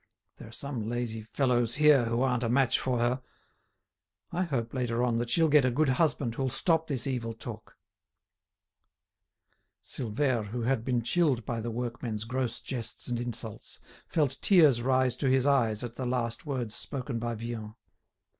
There are some lazy fellows here who aren't a match for her. I hope, later on, that she'll get a good husband who'll stop this evil talk." Silvère, who had been chilled by the workmen's gross jests and insults, felt tears rise to his eyes at the last words spoken by Vian.